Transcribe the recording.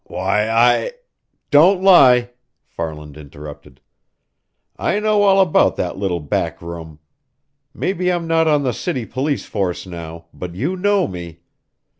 "Why, I " "Don't lie!" Farland interrupted. "I know all about that little back room. Maybe I'm not on the city police force now, but you know me!